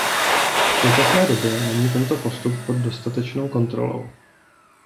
V současné době není tento postup pod dostatečnou kontrolou.